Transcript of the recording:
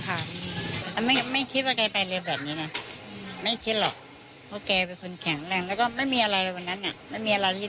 แกก็ไปแกธรรมชาติไม่มีอะไร